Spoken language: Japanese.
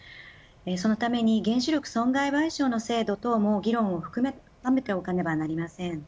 そのために、原子力損害賠償の制度と議論を含めておかなければなりません。